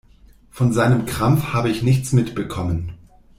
Von seinem Krampf habe ich nichts mitbekommen.